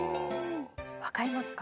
分かりますか？